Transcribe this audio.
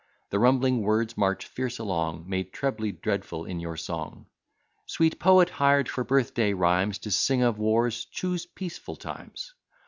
The rumbling words march fierce along, Made trebly dreadful in your song. Sweet poet, hired for birth day rhymes, To sing of wars, choose peaceful times.